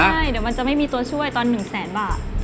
ใช่เดี๋ยวมันจะไม่มีตัวช่วยตอน๑แสนบาท